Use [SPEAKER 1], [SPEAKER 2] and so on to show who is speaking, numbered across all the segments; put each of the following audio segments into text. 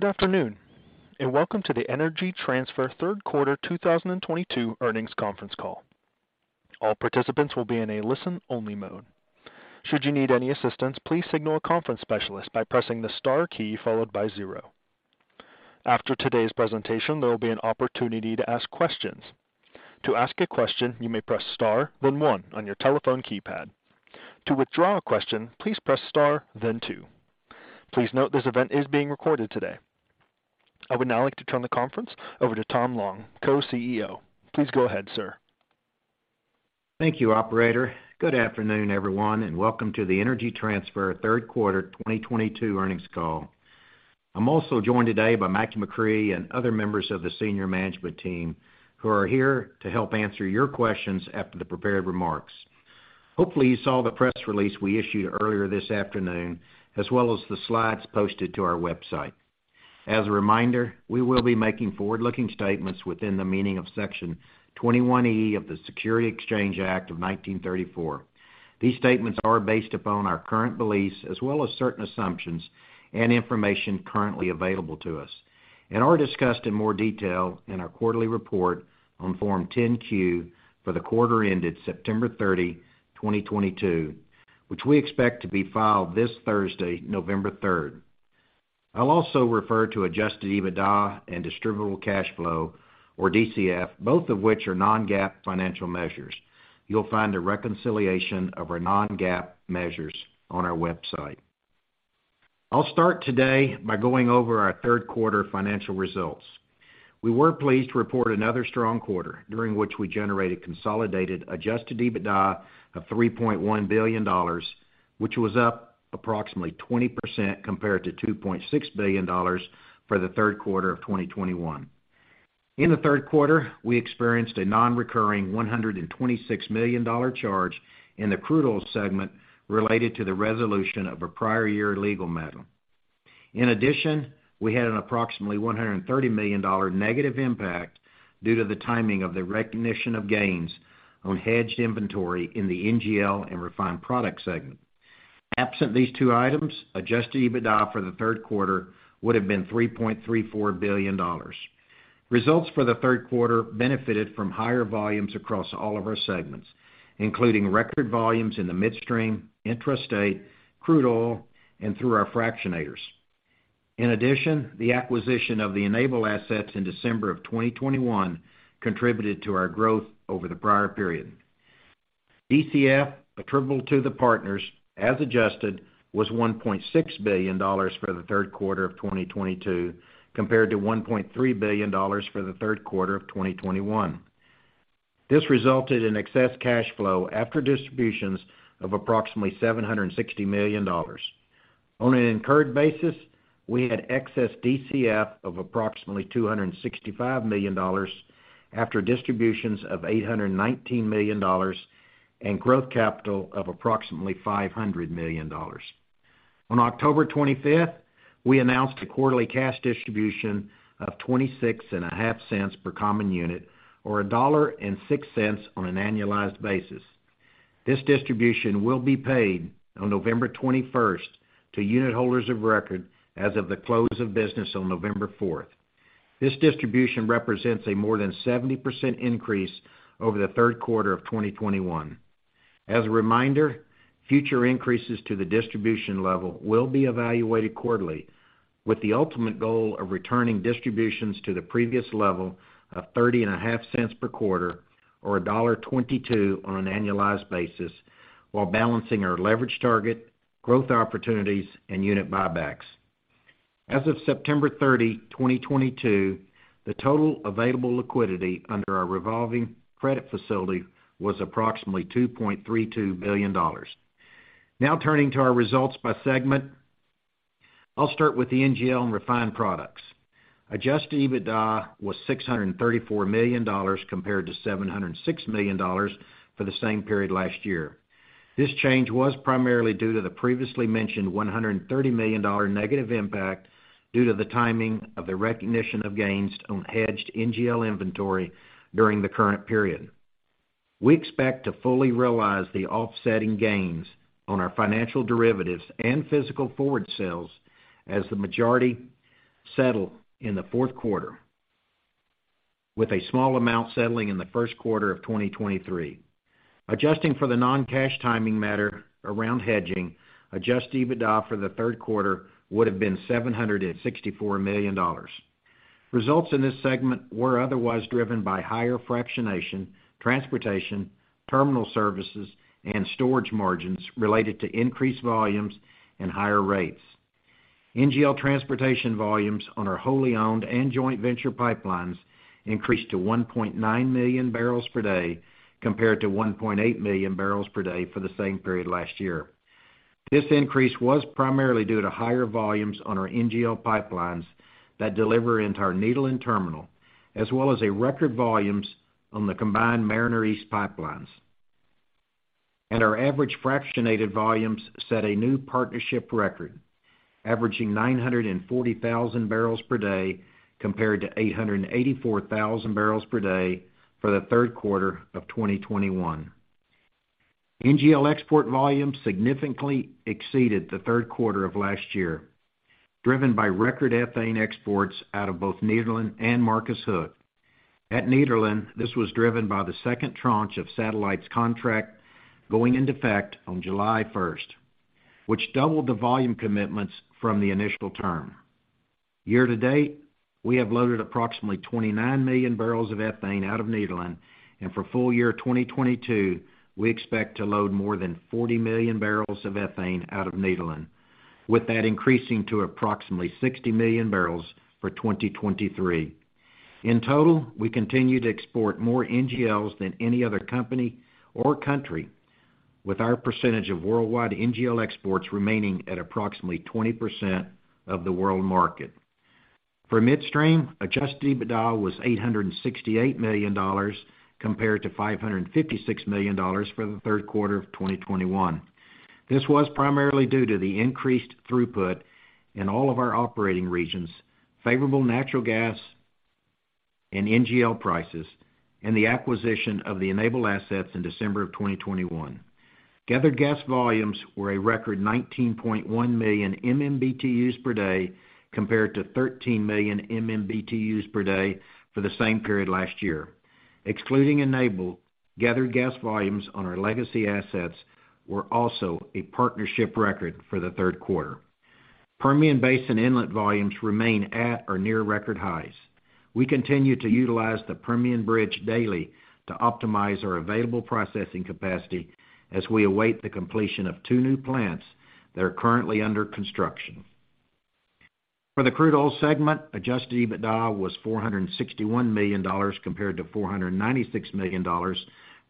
[SPEAKER 1] Good afternoon, and welcome to the Energy Transfer third quarter 2022 earnings conference call. All participants will be in a listen-only mode. Should you need any assistance, please signal a conference specialist by pressing the star key followed by zero. After today's presentation, there will be an opportunity to ask questions. To ask a question, you may press star, then one on your telephone keypad. To withdraw a question, please press star, then two. Please note this event is being recorded today. I would now like to turn the conference over to Tom Long, Co-CEO. Please go ahead, sir.
[SPEAKER 2] Thank you, operator. Good afternoon, everyone, and welcome to the Energy Transfer third quarter 2022 earnings call. I'm also joined today by Mackie McCrea and other members of the senior management team who are here to help answer your questions after the prepared remarks. Hopefully, you saw the press release we issued earlier this afternoon, as well as the slides posted to our website. As a reminder, we will be making forward-looking statements within the meaning of Section 21E of the Securities Exchange Act of 1934. These statements are based upon our current beliefs, as well as certain assumptions and information currently available to us and are discussed in more detail in our quarterly report on Form 10-Q for the quarter ended September 30, 2022, which we expect to be filed this Thursday, November 3. I'll also refer to adjusted EBITDA and distributable cash flow, or DCF, both of which are non-GAAP financial measures. You'll find a reconciliation of our non-GAAP measures on our website. I'll start today by going over our third quarter financial results. We were pleased to report another strong quarter during which we generated consolidated adjusted EBITDA of $3.1 billion, which was up approximately 20% compared to $2.6 billion for the third quarter of 2021. In the third quarter, we experienced a non-recurring $126 million charge in the crude oil segment related to the resolution of a prior year legal matter. In addition, we had an approximately $130 million negative impact due to the timing of the recognition of gains on hedged inventory in the NGL and refined product segment. Absent these two items, adjusted EBITDA for the third quarter would have been $3.34 billion. Results for the third quarter benefited from higher volumes across all of our segments, including record volumes in the midstream, intrastate, crude oil, and through our fractionators. In addition, the acquisition of the Enable assets in December of 2021 contributed to our growth over the prior period. DCF attributable to the partners as adjusted was $1.6 billion for the third quarter of 2022 compared to $1.3 billion for the third quarter of 2021. This resulted in excess cash flow after distributions of approximately $760 million. On an incurred basis, we had excess DCF of approximately $265 million after distributions of $819 million and growth capital of approximately $500 million. On October 25th, we announced a quarterly cash distribution of $0.265 per common unit or $1.06 on an annualized basis. This distribution will be paid on November 21st to unit holders of record as of the close of business on November fourth. This distribution represents a more than 70% increase over the third quarter of 2021. As a reminder, future increases to the distribution level will be evaluated quarterly with the ultimate goal of returning distributions to the previous level of $0.305 per quarter or $1.22 on an annualized basis while balancing our leverage target, growth opportunities, and unit buybacks. As of September 30, 2022, the total available liquidity under our revolving credit facility was approximately $2.32 billion. Now, turning to our results by segment. I'll start with the NGL and refined products. Adjusted EBITDA was $634 million compared to $706 million for the same period last year. This change was primarily due to the previously mentioned $130 million negative impact due to the timing of the recognition of gains on hedged NGL inventory during the current period. We expect to fully realize the offsetting gains on our financial derivatives and physical forward sales as the majority settle in the fourth quarter, with a small amount settling in the first quarter of 2023. Adjusting for the non-cash timing matter around hedging, adjusted EBITDA for the third quarter would have been $764 million. Results in this segment were otherwise driven by higher fractionation, transportation, terminal services, and storage margins related to increased volumes and higher rates. NGL transportation volumes on our wholly owned and joint venture pipelines increased to 1.9 million barrels per day compared to 1.8 million barrels per day for the same period last year. This increase was primarily due to higher volumes on our NGL pipelines that deliver into our Nederland terminal, as well as record volumes on the combined Mariner East pipelines. Our average fractionated volumes set a new partnership record, averaging 940,000 barrels per day compared to 884,000 barrels per day for the third quarter of 2021. NGL export volume significantly exceeded the third quarter of last year, driven by record ethane exports out of both Nederland and Marcus Hook. At Nederland, this was driven by the second tranche of SABIC's contract going into effect on July 1st, which doubled the volume commitments from the initial term. Year-to-date, we have loaded approximately 29 million barrels of ethane out of Nederland, and for full year 2022, we expect to load more than 40 million barrels of ethane out of Nederland, with that increasing to approximately 60 million barrels for 2023. In total, we continue to export more NGLs than any other company or country, with our percentage of worldwide NGL exports remaining at approximately 20% of the world market. For Midstream, adjusted EBITDA was $868 million compared to $556 million for the third quarter of 2021. This was primarily due to the increased throughput in all of our operating regions, favorable natural gas and NGL prices, and the acquisition of the Enable assets in December of 2021. Gathered gas volumes were a record 19.1 million MMBtus per day compared to 13 million MMBtus per day for the same period last year. Excluding Enable, gathered gas volumes on our legacy assets were also a partnership record for the third quarter. Permian Basin inlet volumes remain at or near record highs. We continue to utilize the Permian Bridge daily to optimize our available processing capacity as we await the completion of two new plants that are currently under construction. For the Crude Oil segment, adjusted EBITDA was $461 million compared to $496 million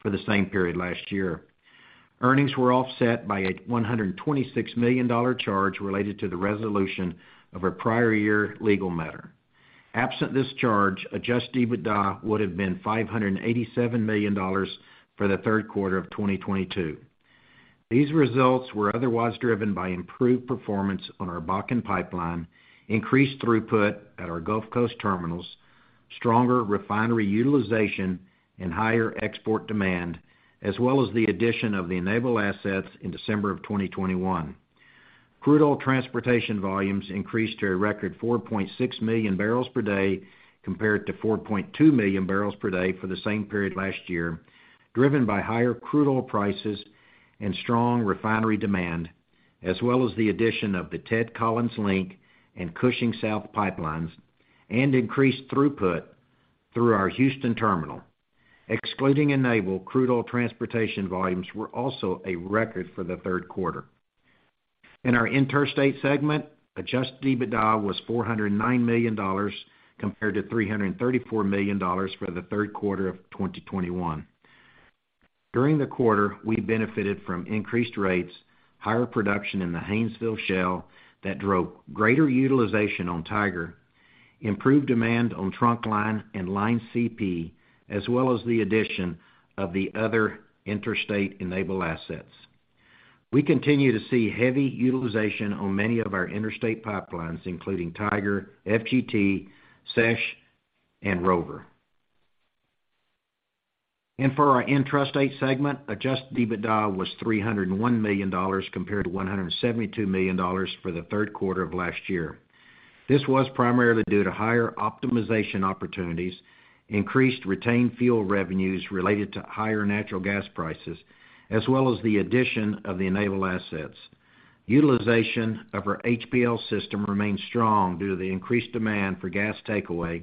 [SPEAKER 2] for the same period last year. Earnings were offset by a $126 million charge related to the resolution of our prior year legal matter. Absent this charge, adjusted EBITDA would have been $587 million for the third quarter of 2022. These results were otherwise driven by improved performance on our Bakken pipeline, increased throughput at our Gulf Coast terminals, stronger refinery utilization and higher export demand, as well as the addition of the Enable assets in December of 2021. Crude oil transportation volumes increased to a record 4.6 million barrels per day compared to 4.2 million barrels per day for the same period last year, driven by higher crude oil prices and strong refinery demand, as well as the addition of the Ted Collins Link and Cushing South pipelines, and increased throughput through our Houston terminal. Excluding Enable, crude oil transportation volumes were also a record for the third quarter. In our Interstate segment, adjusted EBITDA was $409 million compared to $334 million for the third quarter of 2021. During the quarter, we benefited from increased rates, higher production in the Haynesville Shale that drove greater utilization on Tiger, improved demand on Trunkline and Line CP, as well as the addition of the other interstate Enable assets. We continue to see heavy utilization on many of our interstate pipelines, including Tiger, FGT, SESH, and Rover. For our Intrastate segment, adjusted EBITDA was $301 million compared to $172 million for the third quarter of last year. This was primarily due to higher optimization opportunities, increased retained fuel revenues related to higher natural gas prices, as well as the addition of the Enable assets. Utilization of our HPL System remains strong due to the increased demand for gas takeaway,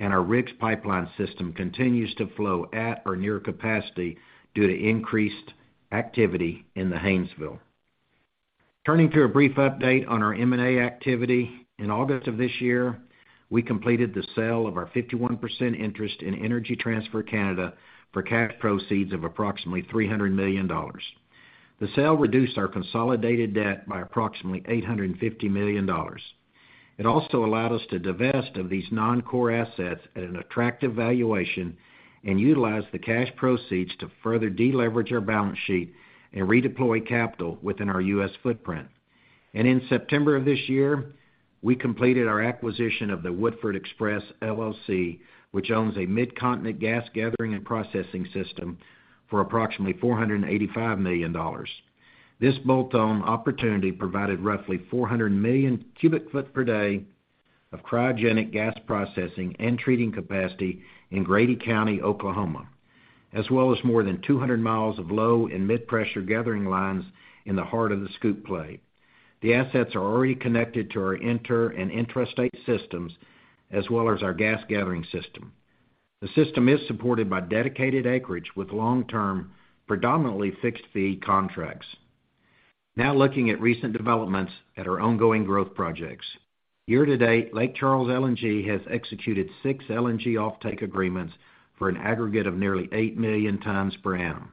[SPEAKER 2] and our RIGS pipeline system continues to flow at or near capacity due to increased activity in the Haynesville. Turning to a brief update on our M&A activity. In August of this year, we completed the sale of our 51% interest in Energy Transfer Canada for cash proceeds of approximately $300 million. The sale reduced our consolidated debt by approximately $850 million. It also allowed us to divest of these non-core assets at an attractive valuation and utilize the cash proceeds to further deleverage our balance sheet and redeploy capital within our U.S. footprint. In September of this year, we completed our acquisition of the Woodford Express LLC, which owns a mid-continent gas gathering and processing system, for approximately $485 million. This bolt-on opportunity provided roughly 400 million cubic foot per day of cryogenic gas processing and treating capacity in Grady County, Oklahoma, as well as more than 200 miles of low and mid-pressure gathering lines in the heart of the Scoop play. The assets are already connected to our inter and intrastate systems as well as our gas gathering system. The system is supported by dedicated acreage with long-term, predominantly fixed-fee contracts. Now looking at recent developments at our ongoing growth projects. Year to date, Lake Charles LNG has executed 6 LNG offtake agreements for an aggregate of nearly 8 million tons per annum,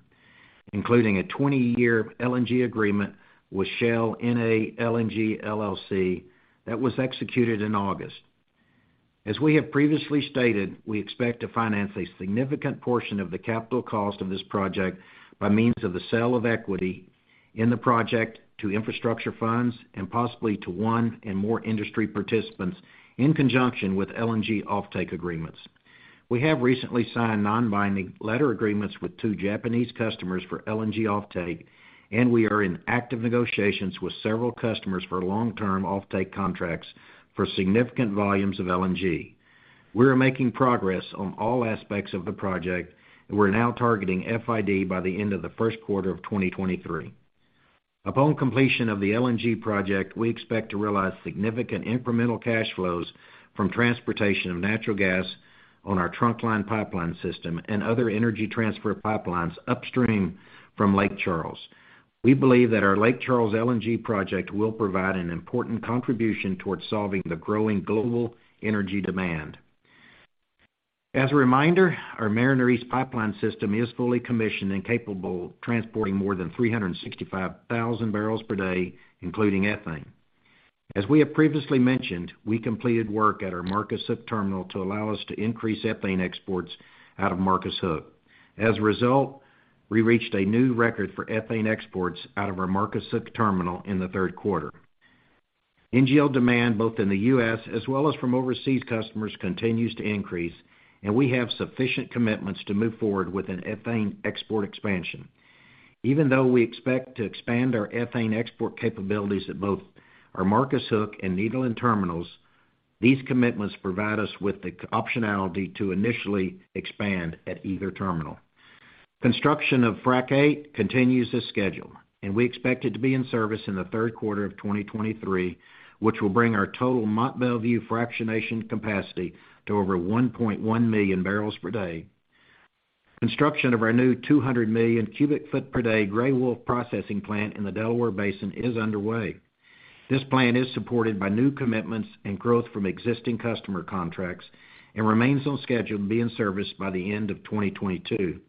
[SPEAKER 2] including a 20-year LNG agreement with Shell NA LNG LLC that was executed in August. As we have previously stated, we expect to finance a significant portion of the capital cost of this project by means of the sale of equity in the project to infrastructure funds and possibly to one or more industry participants in conjunction with LNG offtake agreements. We have recently signed non-binding letter agreements with two Japanese customers for LNG offtake, and we are in active negotiations with several customers for long-term offtake contracts for significant volumes of LNG. We are making progress on all aspects of the project, and we're now targeting FID by the end of the first quarter of 2023. Upon completion of the LNG project, we expect to realize significant incremental cash flows from transportation of natural gas on our Trunkline pipeline system and other Energy Transfer pipelines upstream from Lake Charles. We believe that our Lake Charles LNG project will provide an important contribution towards solving the growing global energy demand. As a reminder, our Mariner East pipeline system is fully commissioned and capable of transporting more than 365,000 barrels per day, including ethane. As we have previously mentioned, we completed work at our Marcus Hook terminal to allow us to increase ethane exports out of Marcus Hook. As a result, we reached a new record for ethane exports out of our Marcus Hook terminal in the third quarter. NGL demand, both in the U.S. as well as from overseas customers, continues to increase, and we have sufficient commitments to move forward with an ethane export expansion. Even though we expect to expand our ethane export capabilities at both our Marcus Hook and Nederland terminals, these commitments provide us with the optionality to initially expand at either terminal. Construction of Frac VIII continues as scheduled, and we expect it to be in service in the third quarter of 2023, which will bring our total Mont Belvieu fractionation capacity to over 1.1 million barrels per day. Construction of our new 200 million cubic feet per day Grey Wolf processing plant in the Delaware Basin is underway. This plant is supported by new commitments and growth from existing customer contracts and remains on schedule to be in service by the end of 2022.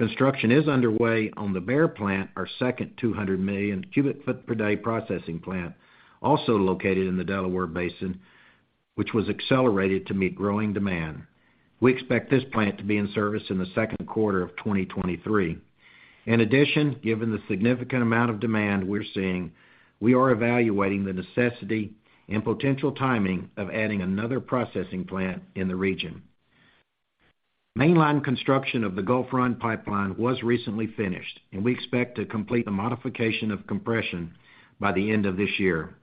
[SPEAKER 2] Construction is underway on the Bear Plant, our second 200 million cubic foot per day processing plant, also located in the Delaware Basin, which was accelerated to meet growing demand. We expect this plant to be in service in the second quarter of 2023. In addition, given the significant amount of demand we're seeing, we are evaluating the necessity and potential timing of adding another processing plant in the region. Mainline construction of the Gulf Run pipeline was recently finished, and we expect to complete the modification of compression by the end of this year.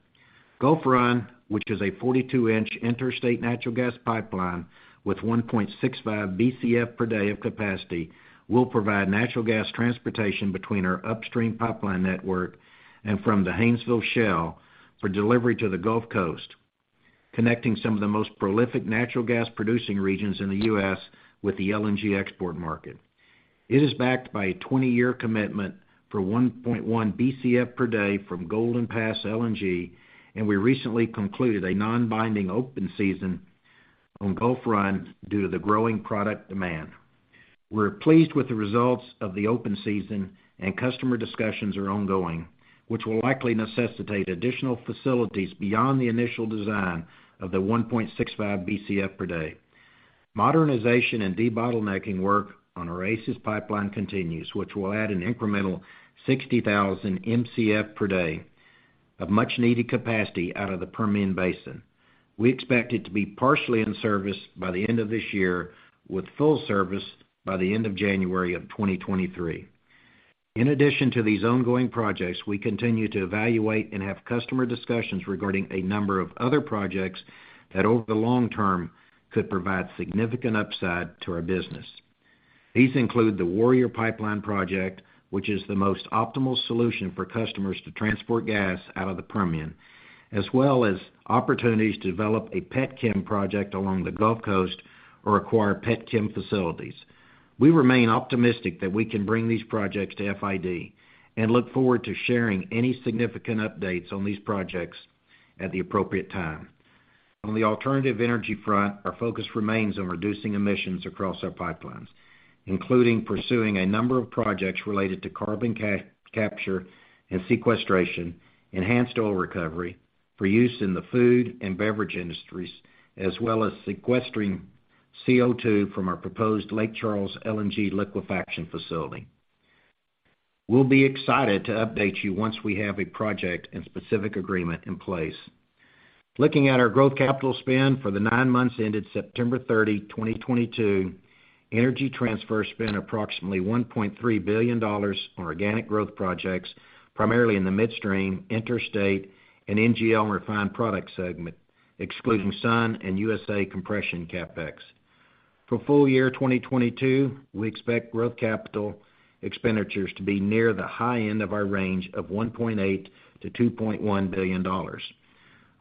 [SPEAKER 2] Gulf Run, which is a 42-inch interstate natural gas pipeline with 1.65 Bcf per day of capacity, will provide natural gas transportation between our upstream pipeline network and from the Haynesville Shale for delivery to the Gulf Coast, connecting some of the most prolific natural gas producing regions in the U.S. with the LNG export market. It is backed by a 20-year commitment for 1.1 Bcf per day from Golden Pass LNG, and we recently concluded a non-binding open season on Gulf Run due to the growing product demand. We're pleased with the results of the open season and customer discussions are ongoing, which will likely necessitate additional facilities beyond the initial design of the 1.65 Bcf per day. Modernization and debottlenecking work on our Oasis Pipeline continues, which will add an incremental 60,000 Mcf per day of much-needed capacity out of the Permian Basin. We expect it to be partially in service by the end of this year, with full service by the end of January 2023. In addition to these ongoing projects, we continue to evaluate and have customer discussions regarding a number of other projects that over the long term could provide significant upside to our business. These include the Warrior Pipeline Project, which is the most optimal solution for customers to transport gas out of the Permian, as well as opportunities to develop a petchem project along the Gulf Coast or acquire petchem facilities. We remain optimistic that we can bring these projects to FID and look forward to sharing any significant updates on these projects at the appropriate time. On the alternative energy front, our focus remains on reducing emissions across our pipelines, including pursuing a number of projects related to carbon capture and sequestration, enhanced oil recovery for use in the food and beverage industries, as well as sequestering CO2 from our proposed Lake Charles LNG liquefaction facility. We'll be excited to update you once we have a project and specific agreement in place. Looking at our growth capital spend for the nine months ended September 30, 2022, Energy Transfer spent approximately $1.3 billion on organic growth projects, primarily in the midstream, interstate, and NGL refined products segment, excluding Sun and USA Compression CapEx. For full year 2022, we expect growth capital expenditures to be near the high end of our range of $1.8 billion-$2.1 billion.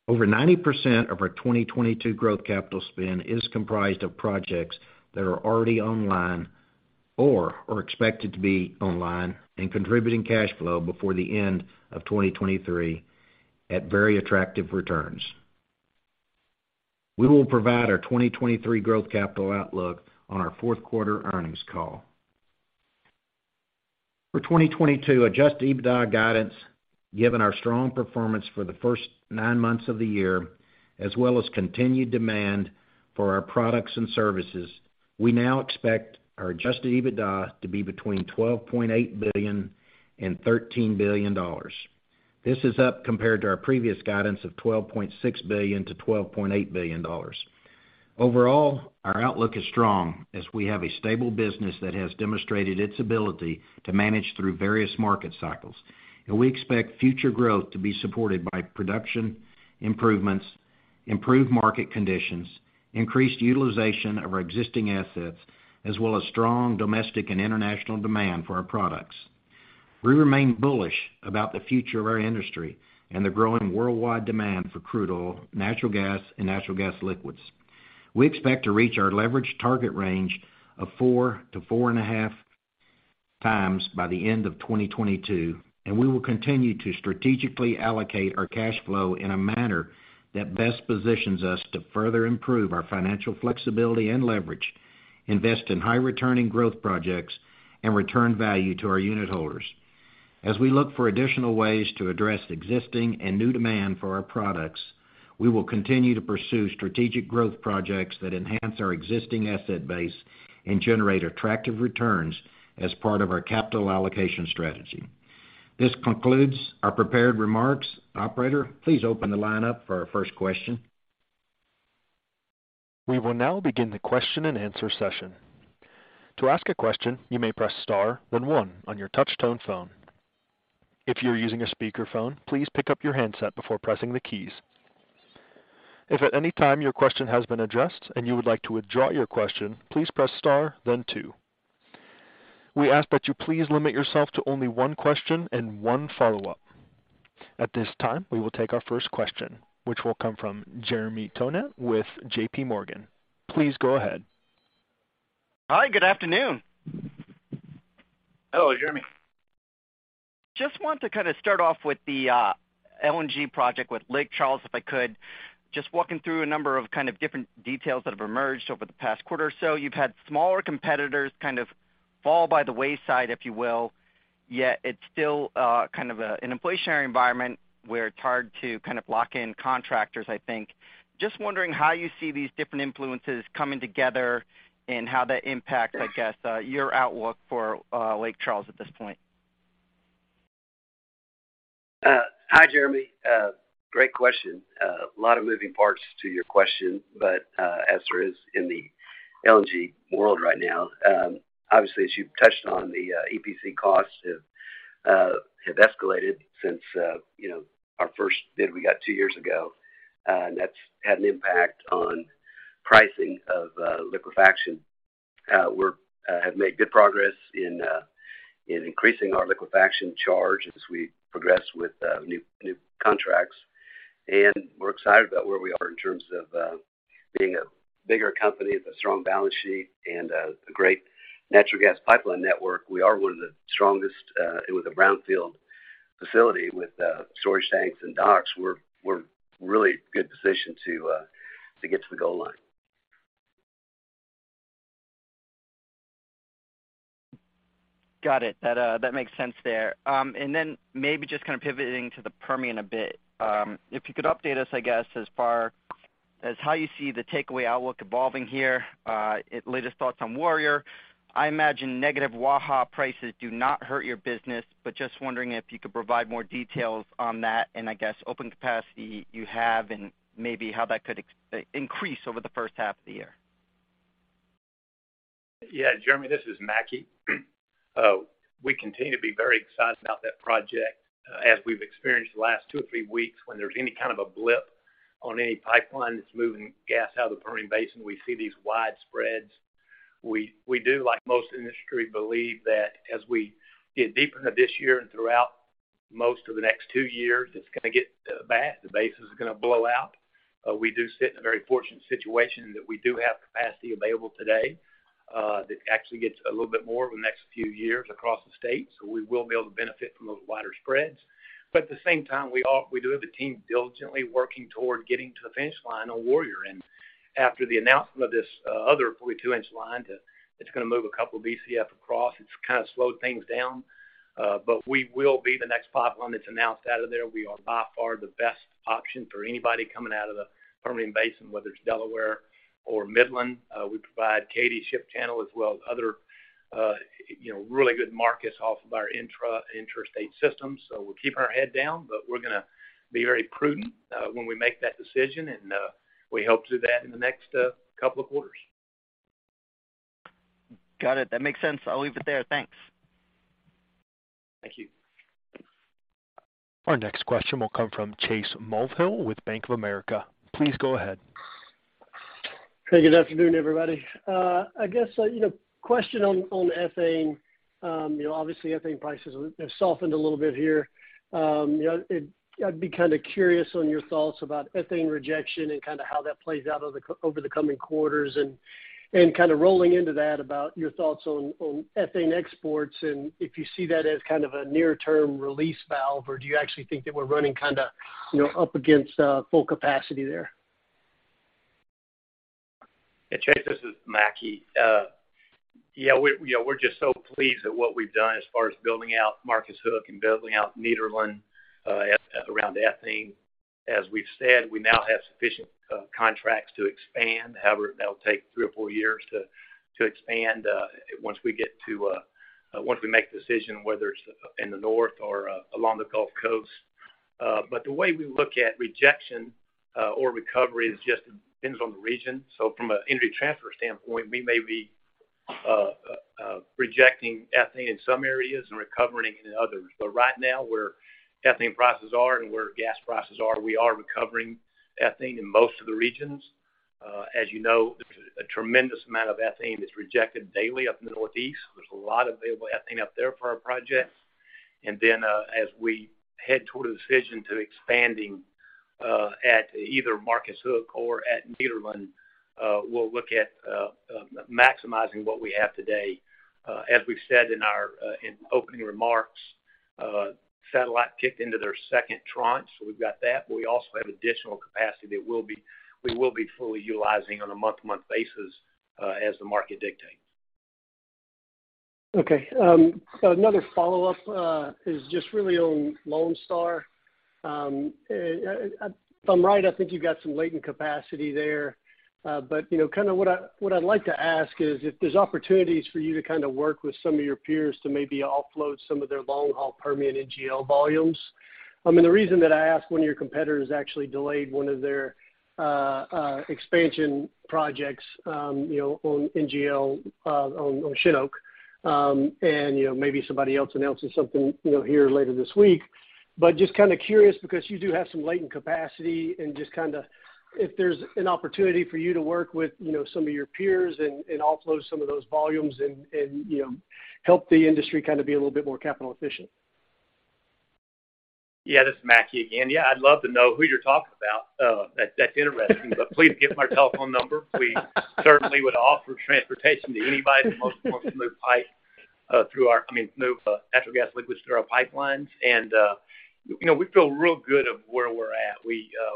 [SPEAKER 2] Over 90% of our 2022 growth capital spend is comprised of projects that are already online or are expected to be online and contributing cash flow before the end of 2023 at very attractive returns. We will provide our 2023 growth capital outlook on our fourth quarter earnings call. For 2022, adjusted EBITDA guidance Given our strong performance for the first nine months of the year, as well as continued demand for our products and services, we now expect our adjusted EBITDA to be between $12.8 billion and $13 billion. This is up compared to our previous guidance of $12.6 billion-$12.8 billion. Overall, our outlook is strong as we have a stable business that has demonstrated its ability to manage through various market cycles. We expect future growth to be supported by production improvements, improved market conditions, increased utilization of our existing assets as well as strong domestic and international demand for our products. We remain bullish about the future of our industry and the growing worldwide demand for crude oil, natural gas and natural gas liquids. We expect to reach our leverage target range of 4-4.5x by the end of 2022, and we will continue to strategically allocate our cash flow in a manner that best positions us to further improve our financial flexibility and leverage, invest in high returning growth projects, and return value to our unit holders. As we look for additional ways to address existing and new demand for our products, we will continue to pursue strategic growth projects that enhance our existing asset base and generate attractive returns as part of our capital allocation strategy. This concludes our prepared remarks. Operator, please open the line up for our first question.
[SPEAKER 1] We will now begin the question-and-answer session. To ask a question, you may press star then one on your touch tone phone. If you're using a speakerphone, please pick up your handset before pressing the keys. If at any time your question has been addressed and you would like to withdraw your question, please press star then two. We ask that you please limit yourself to only one question and one follow-up. At this time, we will take our first question, which will come from Jeremy Tonet with JPMorgan. Please go ahead.
[SPEAKER 3] Hi, good afternoon.
[SPEAKER 2] Hello, Jeremy.
[SPEAKER 3] Just want to kind of start off with the LNG project with Lake Charles, if I could. Just walking through a number of kind of different details that have emerged over the past quarter or so. You've had smaller competitors kind of fall by the wayside, if you will, yet it's still kind of an inflationary environment where it's hard to kind of lock in contractors, I think. Just wondering how you see these different influences coming together and how that impacts, I guess, your outlook for Lake Charles at this point.
[SPEAKER 2] Hi, Jeremy. Great question. A lot of moving parts to your question, but as there is in the LNG world right now. Obviously, as you've touched on, the EPC costs have escalated since you know our first bid we got two years ago. That's had an impact on pricing of liquefaction. We have made good progress in increasing our liquefaction charge as we progress with new contracts. We're excited about where we are in terms of being a bigger company with a strong balance sheet and a great natural gas pipeline network. We are one of the strongest with a brownfield facility with storage tanks and docks. We're really well positioned to get to the goal line.
[SPEAKER 3] Got it. That makes sense there. Maybe just kind of pivoting to the Permian a bit. If you could update us, I guess, as far as how you see the takeaway outlook evolving here, latest thoughts on Warrior. I imagine negative Waha prices do not hurt your business, but just wondering if you could provide more details on that and I guess open capacity you have and maybe how that could increase over the first half of the year.
[SPEAKER 4] Yeah, Jeremy, this is Mackie. We continue to be very excited about that project. As we've experienced the last two or three weeks, when there's any kind of a blip on any pipeline that's moving gas out of the Permian Basin, we see these wide spreads. We do, like most industry, believe that as we get deeper into this year and throughout most of the next two years, it's gonna get bad. The basin's gonna blow out. We do sit in a very fortunate situation that we do have capacity available today, that actually gets a little bit more over the next few years across the state, so we will be able to benefit from those wider spreads. At the same time, we do have a team diligently working toward getting to the finish line on Warrior.
[SPEAKER 2] After the announcement of this other 42-inch line, it's gonna move a couple Bcf across. It's kind of slowed things down. We will be the next pipeline that's announced out of there. We are by far the best option for anybody coming out of the Permian Basin, whether it's Delaware or Midland. We provide Katy Ship Channel as well as other, you know, really good markets off of our intrastate system. We're keeping our head down, but we're gonna be very prudent when we make that decision, and we hope to do that in the next couple of quarters.
[SPEAKER 3] Got it. That makes sense. I'll leave it there. Thanks.
[SPEAKER 2] Thank you.
[SPEAKER 1] Our next question will come from Chase Mulvehill with Bank of America. Please go ahead.
[SPEAKER 5] Hey, good afternoon, everybody. I guess, you know, question on ethane. You know, obviously ethane prices have softened a little bit here. I'd be kind of curious on your thoughts about ethane rejection and kind of how that plays out over the coming quarters. And kind of rolling into that about your thoughts on ethane exports and if you see that as kind of a near-term release valve, or do you actually think that we're running kinda, you know, up against full capacity there?
[SPEAKER 4] Chase, this is Mackie. We're just so pleased at what we've done as far as building out Marcus Hook and building out Nederland at around ethane. As we've said, we now have sufficient contracts to expand. However, that'll take three or four years to expand once we make a decision whether it's in the north or along the Gulf Coast. The way we look at rejection or recovery just depends on the region. From an Energy Transfer standpoint, we may be rejecting ethane in some areas and recovering it in others. Right now, where ethane prices are and where gas prices are, we are recovering ethane in most of the regions.
[SPEAKER 2] As you know, a tremendous amount of ethane is rejected daily up in the Northeast. There's a lot of available ethane up there for our projects. As we head toward a decision to expanding at either Marcus Hook or at Nederland, we'll look at maximizing what we have today. As we've said in our opening remarks, SABIC kicked into their second tranche, so we've got that. We also have additional capacity that we will be fully utilizing on a month-to-month basis as the market dictates.
[SPEAKER 5] Okay. Another follow-up is just really on Lone Star. If I'm right, I think you've got some latent capacity there. You know, kind of what I'd like to ask is if there's opportunities for you to kind of work with some of your peers to maybe offload some of their long-haul Permian NGL volumes. I mean, the reason that I ask one of your competitors actually delayed one of their expansion projects, you know, on NGL, on Chinook. Maybe somebody else announces something, you know, here later this week. Just kind of curious because you do have some latent capacity and just kind of if there's an opportunity for you to work with, you know, some of your peers and offload some of those volumes and help the industry kind of be a little bit more capital efficient.
[SPEAKER 4] Yeah, this is Mackie again. Yeah, I'd love to know who you're talking about. That's interesting. Please get my telephone number. We certainly would offer transportation to anybody who most wants to move natural gas liquids through our pipelines. I mean, you know, we feel real good about where we're at.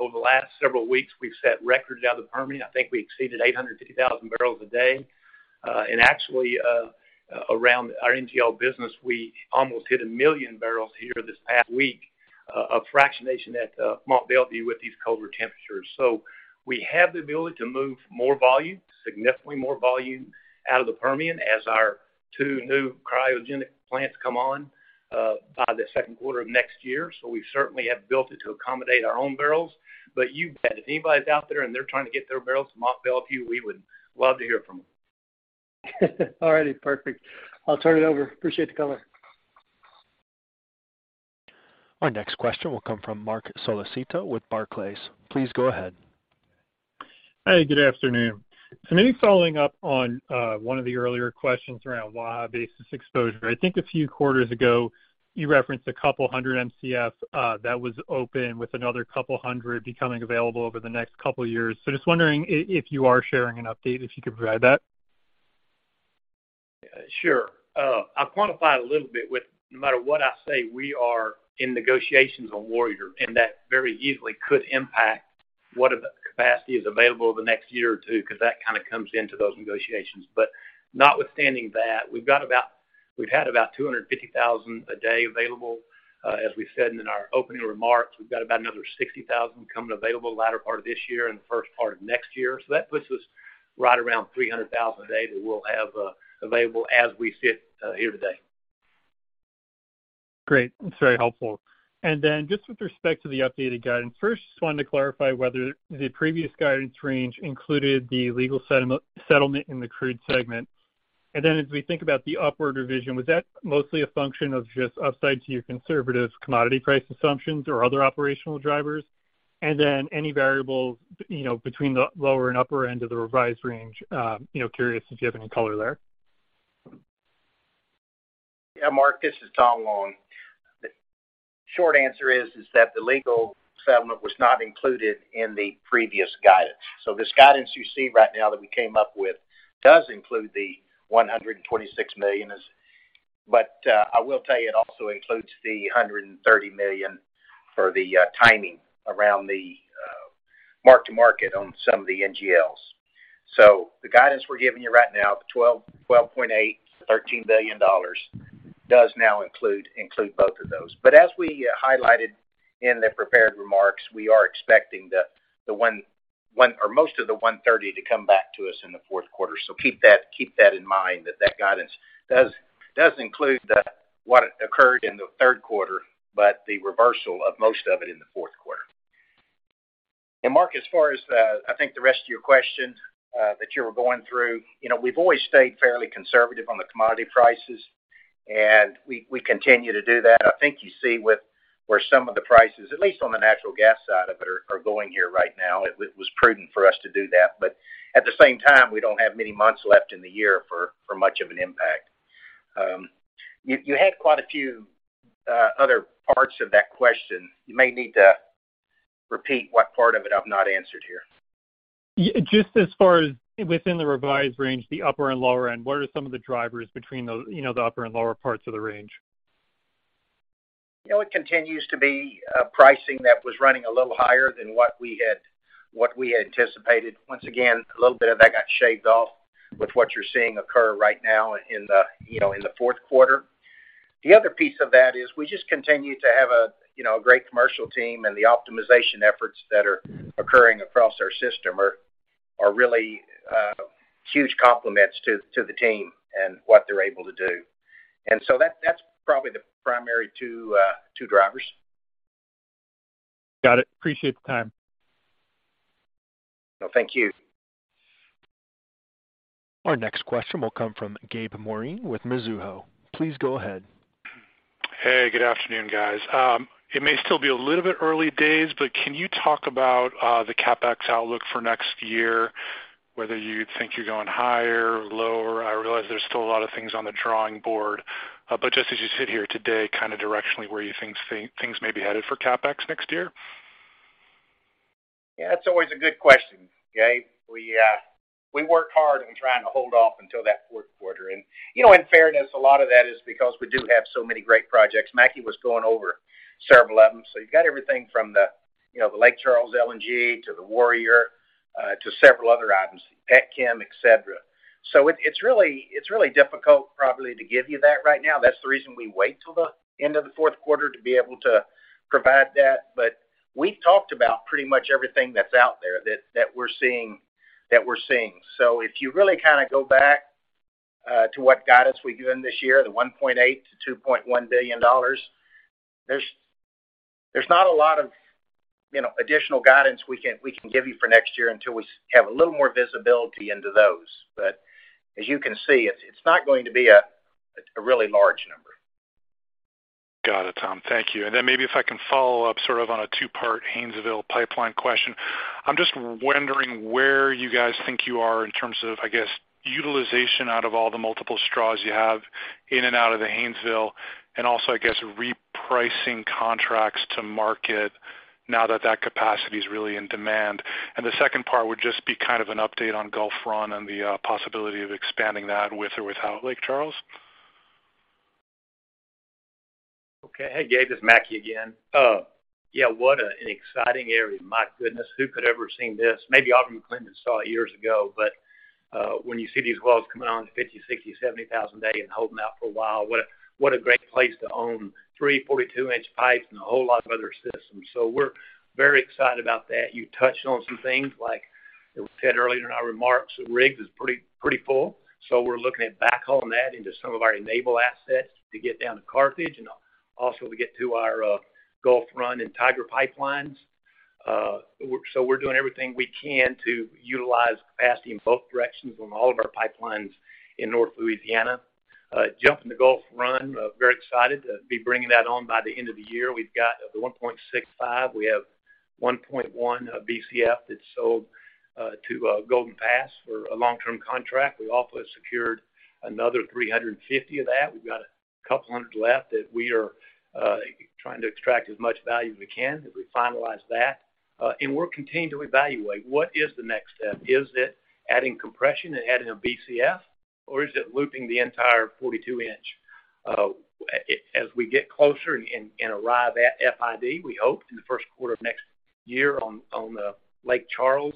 [SPEAKER 4] Over the last several weeks, we've set records out of the Permian. I think we exceeded 850,000 barrels a day. Actually, around our NGL business, we almost hit 1 million barrels here this past week of fractionation at Mont Belvieu with these colder temperatures. We have the ability to move more volume, significantly more volume out of the Permian as our two new cryogenic plants come on by the second quarter of next year.
[SPEAKER 2] We certainly have built it to accommodate our own barrels. You bet, if anybody's out there and they're trying to get their barrels to Mont Belvieu, we would love to hear from them.
[SPEAKER 5] All righty. Perfect. I'll turn it over. Appreciate the color.
[SPEAKER 1] Our next question will come from Marc Solecito with Barclays. Please go ahead.
[SPEAKER 6] Hey, good afternoon. Maybe following up on one of the earlier questions around Waha basis exposure. I think a few quarters ago, you referenced a couple hundred Mcf that was open with another couple hundred becoming available over the next couple of years. Just wondering if you are sharing an update, if you could provide that.
[SPEAKER 2] Sure. I'll quantify it a little bit, no matter what I say, we are in negotiations on Warrior, and that very easily could impact what the capacity is available over the next year or two because that kind of comes into those negotiations. Notwithstanding that, we've had about 250,000 a day available. As we said in our opening remarks, we've got about another 60,000 coming available latter part of this year and the first part of next year. That puts us right around 300,000 a day that we'll have available as we sit here today.
[SPEAKER 6] Great. That's very helpful. Then just with respect to the updated guidance, first, just wanted to clarify whether the previous guidance range included the legal settlement in the crude segment. Then as we think about the upward revision, was that mostly a function of just upside to your conservative commodity price assumptions or other operational drivers? Then any variables, you know, between the lower and upper end of the revised range, you know, curious if you have any color there.
[SPEAKER 2] Yeah, Marc, this is Tom Long. The short answer is that the legal settlement was not included in the previous guidance. This guidance you see right now that we came up with does include the $126 million. I will tell you it also includes the $130 million for the timing around the mark-to-market on some of the NGLs. The guidance we're giving you right now, the $12 billion, $12.8 billion, $13 billion, does now include both of those. As we highlighted in the prepared remarks, we are expecting or most of the $130 million to come back to us in the fourth quarter. Keep that in mind that guidance does include what occurred in the third quarter, but the reversal of most of it in the fourth quarter. Marc, as far as the, I think the rest of your question, that you were going through, you know, we've always stayed fairly conservative on the commodity prices, and we continue to do that. I think you see with where some of the prices, at least on the natural gas side of it, are going here right now. It was prudent for us to do that. At the same time, we don't have many months left in the year for much of an impact. You had quite a few other parts of that question. You may need to repeat what part of it I've not answered here.
[SPEAKER 6] Just as far as within the revised range, the upper and lower end, what are some of the drivers between those, you know, the upper and lower parts of the range?
[SPEAKER 2] It continues to be pricing that was running a little higher than what we had anticipated. Once again, a little bit of that got shaved off with what you're seeing occur right now in the, you know, fourth quarter. The other piece of that is we just continue to have a, you know, a great commercial team, and the optimization efforts that are occurring across our system are really huge complement to the team and what they're able to do. That's probably the primary two drivers.
[SPEAKER 7] Got it. Appreciate the time.
[SPEAKER 2] No, thank you.
[SPEAKER 1] Our next question will come from Gabe Moreen with Mizuho. Please go ahead.
[SPEAKER 7] Hey, good afternoon, guys. It may still be a little bit early days, but can you talk about the CapEx outlook for next year, whether you think you're going higher or lower? I realize there's still a lot of things on the drawing board, but just as you sit here today, kind of directionally, where you think things may be headed for CapEx next year?
[SPEAKER 2] Yeah, it's always a good question, Gabe. We work hard in trying to hold off until that fourth quarter. You know, in fairness, a lot of that is because we do have so many great projects. Mackie was going over several of them. You've got everything from the, you know, the Lake Charles LNG to the Warrior to several other items, petchem, etc. It's really difficult probably to give you that right now. That's the reason we wait till the end of the fourth quarter to be able to provide that. We've talked about pretty much everything that's out there that we're seeing. If you really kind of go back to what guidance we give them this year, the $1.8 billion-$2.1 billion, there's not a lot of, you know, additional guidance we can give you for next year until we have a little more visibility into those. As you can see, it's not going to be a really large number.
[SPEAKER 7] Got it, Tom. Thank you. Maybe if I can follow up sort of on a two-part Haynesville pipeline question. I'm just wondering where you guys think you are in terms of, I guess, utilization out of all the multiple straws you have in and out of the Haynesville, and also, I guess, repricing contracts to market now that that capacity is really in demand. The second part would just be kind of an update on Gulf Run and the possibility of expanding that with or without Lake Charles.
[SPEAKER 4] Okay. Hey, Gabe, this is Mackie again. Yeah, what an exciting area. My goodness, who could ever seen this? Maybe Aubrey McClendon saw it years ago, but when you see these wells coming on 50,000, 60,000, 70,000 a day and holding out for a while, what a great place to own three 42-inch pipes and a whole lot of other systems. We're very excited about that. You touched on some things, like it was said earlier in our remarks, RIGS is pretty full, so we're looking at backhauling that into some of our Enable assets to get down to Carthage and also to get to our Gulf Run and Tiger pipelines. We're doing everything we can to utilize capacity in both directions on all of our pipelines in North Louisiana. Jumping to Gulf Run, very excited to be bringing that on by the end of the year. We've got the 1.65. We have 1.1 Bcf that's sold to Golden Pass for a long-term contract. We also have secured another 350 of that. We've got a couple hundred left that we are trying to extract as much value as we can as we finalize that. We'll continue to evaluate what is the next step. Is it adding compression and adding a Bcf, or is it looping the entire 42-inch? As we get closer and arrive at FID, we hope in the first quarter of next year on the Lake Charles,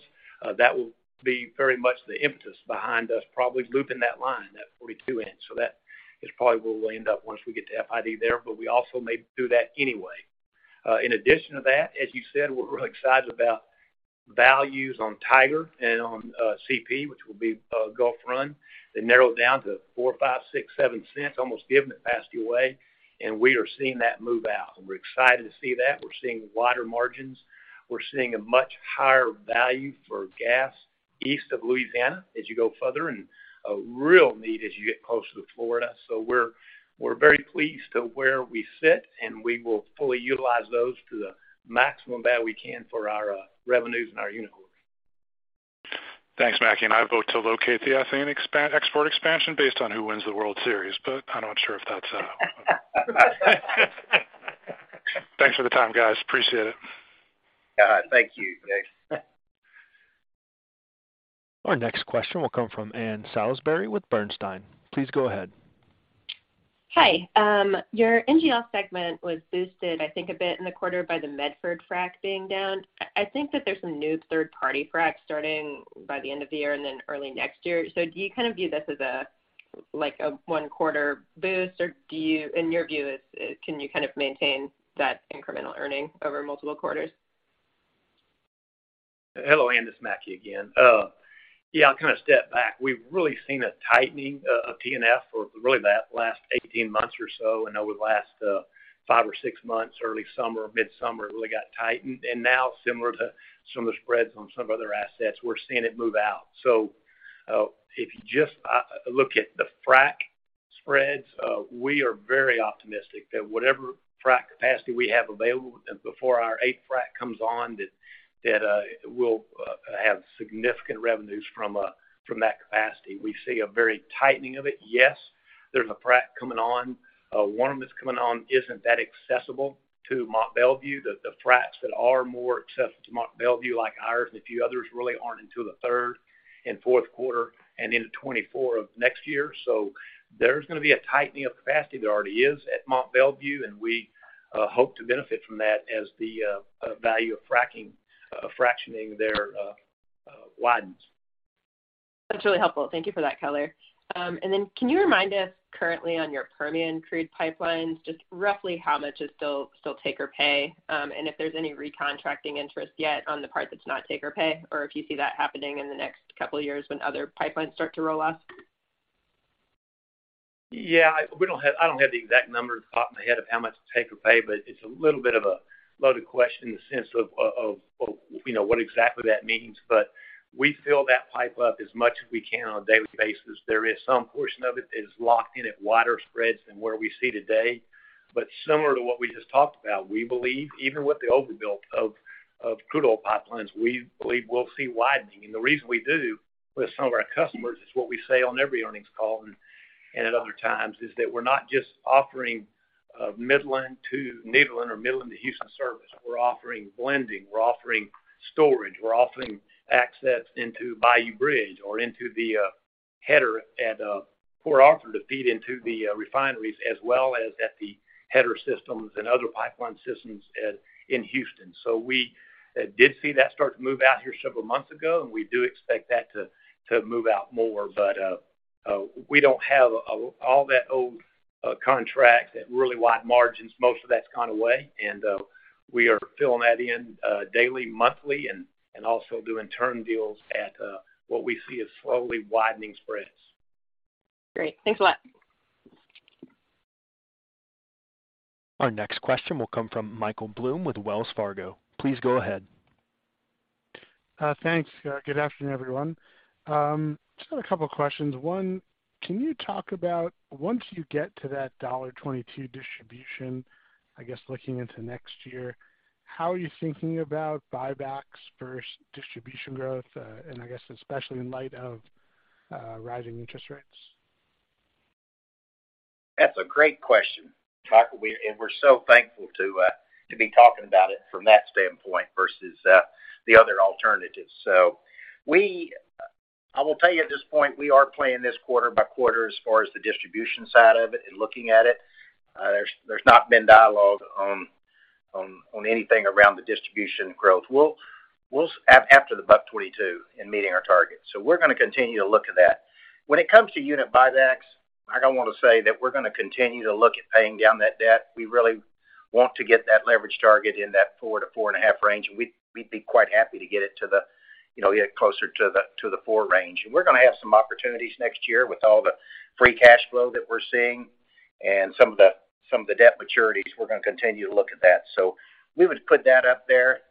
[SPEAKER 4] that will be very much the impetus behind us probably looping that line, that 42-inch. That is probably where we'll end up once we get to FID there, but we also may do that anyway. In addition to that, as you said, we're really excited about values on Tiger and on CP, which will be Gulf Run. They narrowed down to $0.04-$0.07, almost giving it away, and we are seeing that move out, and we're excited to see that. We're seeing wider margins. We're seeing a much higher value for gas east of Louisiana as you go further and a real need as you get closer to Florida. We're very pleased with where we sit, and we will fully utilize those to the maximum value we can for our revenues and our unit holders.
[SPEAKER 7] Thanks, Mackie. I vote to locate the ethane export expansion based on who wins the World Series, but I'm not sure if that's. Thanks for the time, guys. Appreciate it.
[SPEAKER 4] All right. Thank you. Thanks.
[SPEAKER 1] Our next question will come from Jean Ann Salisbury with Bernstein. Please go ahead.
[SPEAKER 8] Hi. Your NGL segment was boosted, I think, a bit in the quarter by the Medford frac being down. I think that there's some new third-party fracs starting by the end of the year and then early next year. Do you kind of view this as a, like, a one-quarter boost, or do you, in your view, can you kind of maintain that incremental earnings over multiple quarters?
[SPEAKER 4] Hello, Anne. This is Mackie again. Yeah, I'll kind of step back. We've really seen a tightening of P&F for really the last 18 months or so, and over the last five or six months, early summer, mid-summer, it really got tightened. Now similar to some of the spreads on some of other assets, we're seeing it move out. If you just look at the frac spreads, we are very optimistic that whatever frac capacity we have available before our eighth frac comes on, that we'll have significant revenues from that capacity. We see a very tightening of it. Yes, there's a frac coming on. One that's coming on isn't that accessible to Mont Belvieu, the fracs that are more accessible to Mont Belvieu like ours and a few others really aren't until the third and fourth quarter and into 2024 of next year. There's gonna be a tightening of capacity. There already is at Mont Belvieu, and we hope to benefit from that as the value of fractionating there widens.
[SPEAKER 8] That's really helpful. Thank you for that color. Can you remind us currently on your Permian crude pipelines, just roughly how much is still take or pay, and if there's any recontracting interest yet on the part that's not take or pay, or if you see that happening in the next couple of years when other pipelines start to roll off?
[SPEAKER 4] I don't have the exact numbers off the top of my head of how much is take-or-pay, but it's a little bit of a loaded question in the sense of, you know, what exactly that means. We fill that pipe up as much as we can on a daily basis. There is some portion of it is locked in at wider spreads than where we see today. Similar to what we just talked about, we believe even with the overbuild of crude oil pipelines, we believe we'll see widening. The reason we do with some of our customers is what we say on every earnings call and at other times is that we're not just offering Midland to Midland or Midland to Houston service. We're offering blending, we're offering storage, we're offering access into Bayou Bridge or into the header at Port Arthur to feed into the refineries as well as at the header systems and other pipeline systems in Houston. We did see that start to move out here several months ago, and we do expect that to move out more. We don't have all that old contracts at really wide margins. Most of that's gone away. We are filling that in daily, monthly, and also doing term deals at what we see as slowly widening spreads.
[SPEAKER 8] Great. Thanks a lot.
[SPEAKER 1] Our next question will come from Michael Blum with Wells Fargo. Please go ahead.
[SPEAKER 9] Thanks. Good afternoon, everyone. Just had a couple of questions. One, can you talk about once you get to that $22 distribution, I guess looking into next year, how are you thinking about buybacks versus distribution growth, and I guess especially in light of rising interest rates?
[SPEAKER 2] That's a great question, Michael. We're so thankful to be talking about it from that standpoint versus the other alternatives. I will tell you at this point, we are playing this quarter by quarter as far as the distribution side of it and looking at it. There's not been dialogue on anything around the distribution growth. We'll after the $1.22 in meeting our target. We're gonna continue to look at that. When it comes to unit buybacks, I don't want to say that we're gonna continue to look at paying down that debt. We really want to get that leverage target in that 4-4.5 range, and we'd be quite happy to get it closer to the 4 range. We're gonna have some opportunities next year with all the free cash flow that we're seeing and some of the debt maturities. We're gonna continue to look at that. We would put that up there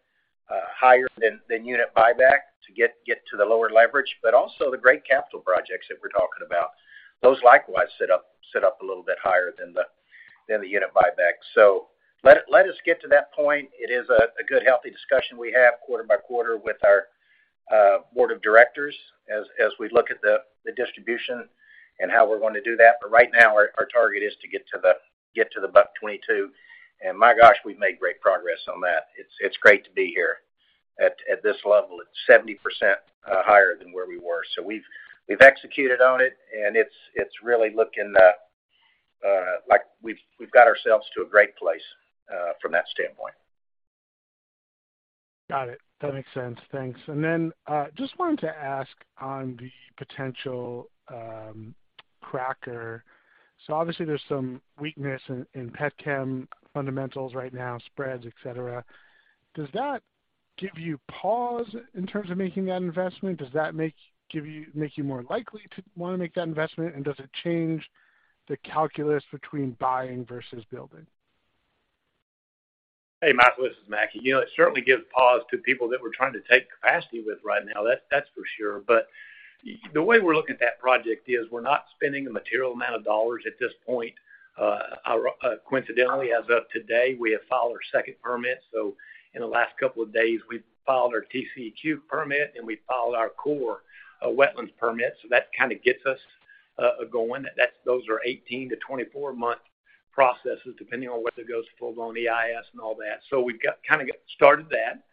[SPEAKER 2] higher than unit buyback to get to the lower leverage, but also the great capital projects that we're talking about. Those likewise sit up a little bit higher than the unit buyback. Let us get to that point. It is a good healthy discussion we have quarter by quarter with our board of directors as we look at the distribution and how we're gonna do that. Right now, our target is to get to the 1.22. My gosh, we've made great progress on that. It's great to be here at this level. It's 70% higher than where we were. We've executed on it, and it's really looking like we've got ourselves to a great place from that standpoint.
[SPEAKER 9] Got it. That makes sense. Thanks. Just wanted to ask on the potential cracker. So obviously there's some weakness in petchem fundamentals right now, spreads, etc. Does that give you pause in terms of making that investment? Does that make you more likely to wanna make that investment? Does it change the calculus between buying versus building?
[SPEAKER 4] Hey, Michael Blum, this is Mackie McCrea. You know, it certainly gives pause to people that we're trying to take capacity with right now, that's for sure. But the way we're looking at that project is we're not spending a material amount of dollars at this point. Coincidentally, as of today, we have filed our second permit, so in the last couple of days, we've filed our TCEQ permit and we filed our Corps wetlands permit. So that kind of gets us going. Those are 18-24 month processes, depending on whether it goes full-blown EIS and all that. We've kind of got started that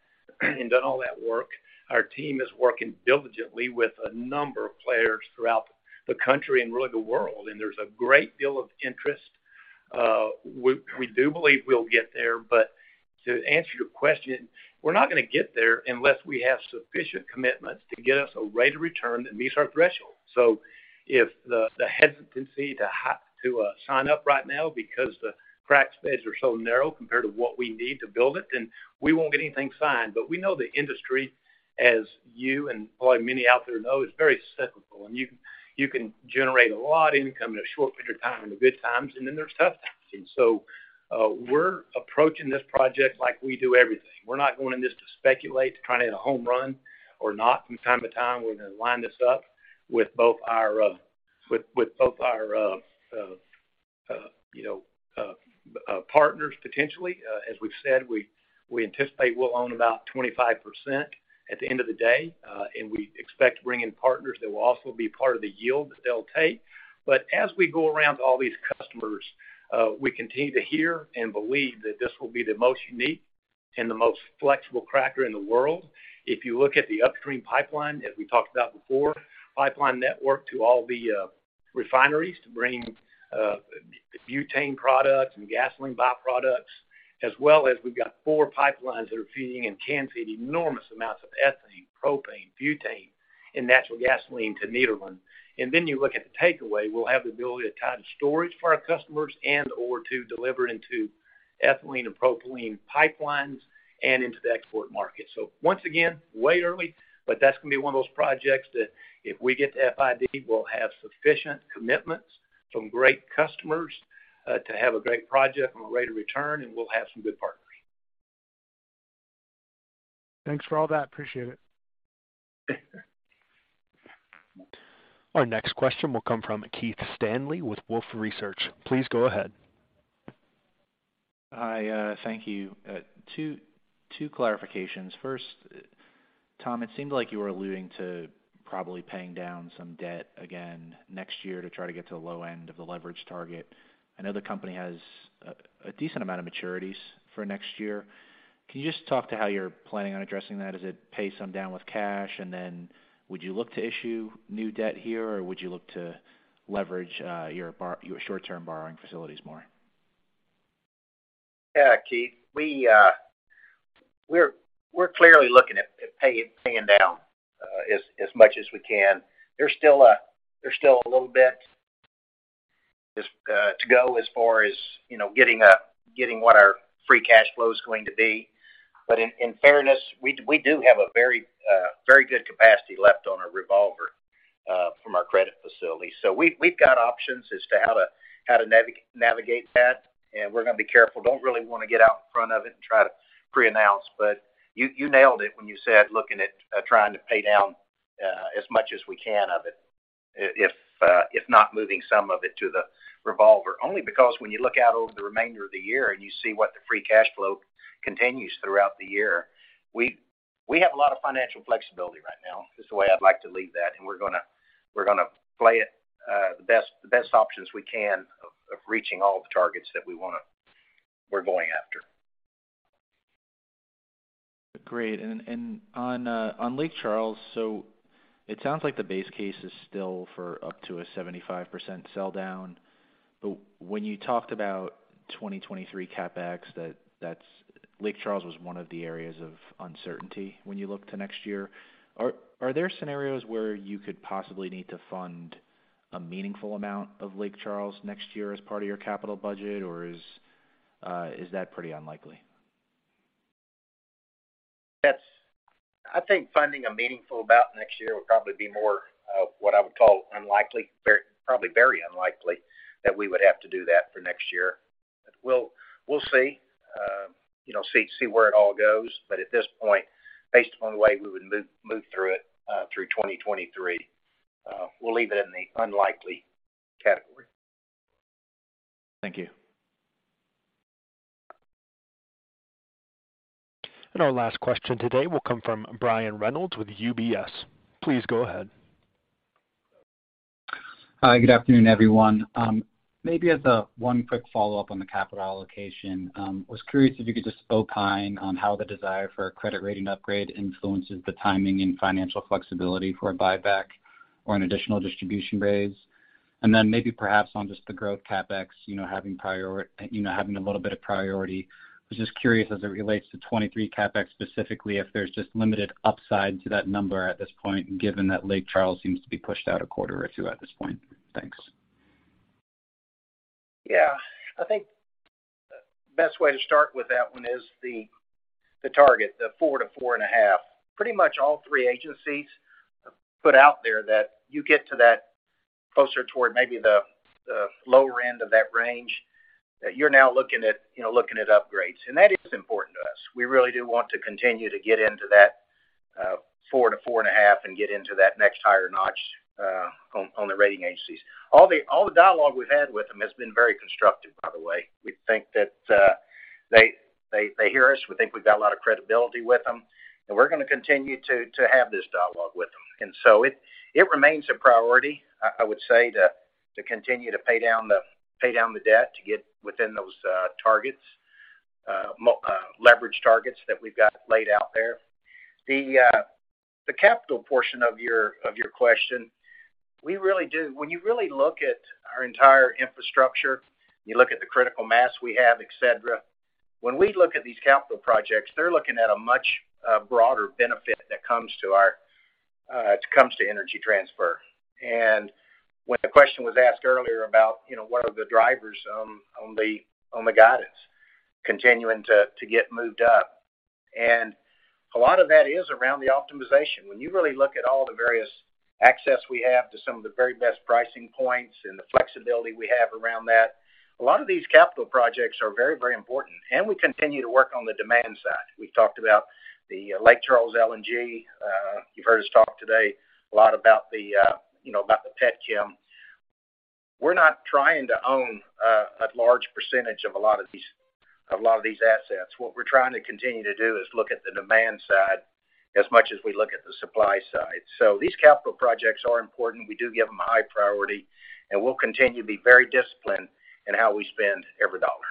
[SPEAKER 4] and done all that work. Our team is working diligently with a number of players throughout the country and really the world, and there's a great deal of interest. We do believe we'll get there. To answer your question, we're not gonna get there unless we have sufficient commitments to get us a rate of return that meets our threshold. If the hesitancy to sign up right now, because the frac spreads are so narrow compared to what we need to build it, then we won't get anything signed. We know the industry, as you and probably many out there know, is very cyclical, and you can generate a lot of income in a short period of time in the good times, and then there's tough times. We're approaching this project like we do everything. We're not going in this to speculate, to try to hit a home run or not from time to time. We're gonna line this up with both our, you know, partners potentially. As we've said, we anticipate we'll own about 25% at the end of the day, and we expect to bring in partners that will also be part of the yield that they'll take. As we go around to all these customers, we continue to hear and believe that this will be the most unique and the most flexible cracker in the world. If you look at the upstream pipeline, as we talked about before, pipeline network to all the refineries to bring the butane products and gasoline byproducts, as well as we've got four pipelines that are feeding and can feed enormous amounts of ethane, propane, butane, and natural gasoline to Nederland. Then you look at the takeaway, we'll have the ability to tie the storage for our customers and/or to deliver into ethylene and propylene pipelines and into the export market. Once again, way early, but that's gonna be one of those projects that if we get to FID, we'll have sufficient commitments from great customers to have a great project and a rate of return, and we'll have some good partners.
[SPEAKER 9] Thanks for all that. Appreciate it.
[SPEAKER 1] Our next question will come from Keith Stanley with Wolfe Research. Please go ahead.
[SPEAKER 10] Hi, thank you. Two clarifications. First, Tom, it seemed like you were alluding to probably paying down some debt again next year to try to get to the low end of the leverage target. I know the company has a decent amount of maturities for next year. Can you just talk to how you're planning on addressing that? Is it pay some down with cash, and then would you look to issue new debt here, or would you look to leverage your short-term borrowing facilities more?
[SPEAKER 2] Yeah, Keith. We're clearly looking at paying down as much as we can. There's still a little bit to go as far as you know getting what our free cash flow is going to be. In fairness, we do have a very good capacity left on our revolver from our credit facility. We've got options as to how to navigate that, and we're gonna be careful. Don't really wanna get out in front of it and try to preannounce. You nailed it when you said looking at trying to pay down as much as we can of it if not moving some of it to the revolver. Only because when you look out over the remainder of the year and you see what the free cash flow continues throughout the year, we have a lot of financial flexibility right now, is the way I'd like to leave that. We're gonna play it, the best options we can of reaching all the targets that we wanna. We're going after.
[SPEAKER 10] Great. On Lake Charles, so it sounds like the base case is still for up to a 75% sell down. When you talked about 2023 CapEx, that Lake Charles was one of the areas of uncertainty when you look to next year. Are there scenarios where you could possibly need to fund a meaningful amount of Lake Charles next year as part of your capital budget, or is that pretty unlikely?
[SPEAKER 2] I think funding a meaningful amount next year will probably be more what I would call unlikely. Probably very unlikely that we would have to do that for next year. We'll see where it all goes. At this point, based upon the way we would move through it through 2023, we'll leave it in the unlikely category.
[SPEAKER 10] Thank you.
[SPEAKER 1] Our last question today will come from Brian Reynolds with UBS. Please go ahead.
[SPEAKER 11] Hi, good afternoon, everyone. Maybe just a quick follow-up on the capital allocation, I was curious if you could just speak on how the desire for a credit rating upgrade influences the timing and financial flexibility for a buyback or an additional distribution raise. Then maybe perhaps on just the growth CapEx, you know, having a little bit of priority. I was just curious, as it relates to 2023 CapEx specifically, if there's just limited upside to that number at this point, given that Lake Charles seems to be pushed out a quarter or two at this point. Thanks.
[SPEAKER 2] Yeah. I think the best way to start with that one is the target, the 4-4.5. Pretty much all three agencies put out there that you get to that closer toward maybe the lower end of that range, that you're now looking at, you know, looking at upgrades. That is important to us. We really do want to continue to get into that 4-4.5 and get into that next higher notch on the rating agencies. All the dialogue we've had with them has been very constructive, by the way. We think that they hear us. We think we've got a lot of credibility with them, and we're gonna continue to have this dialogue with them. It remains a priority, I would say, to continue to pay down the debt to get within those targets, leverage targets that we've got laid out there. The capital portion of your question, when you really look at our entire infrastructure, you look at the critical mass we have, etc, when we look at these capital projects, they're looking at a much broader benefit that comes to our that comes to Energy Transfer. When the question was asked earlier about, you know, what are the drivers on the guidance continuing to get moved up, and a lot of that is around the optimization. When you really look at all the various access we have to some of the very best pricing points and the flexibility we have around that, a lot of these capital projects are very, very important, and we continue to work on the demand side. We've talked about the Lake Charles LNG. You've heard us talk today a lot about the petchem. We're not trying to own a large percentage of a lot of these assets. What we're trying to continue to do is look at the demand side as much as we look at the supply side. These capital projects are important. We do give them a high priority, and we'll continue to be very disciplined in how we spend every dollar.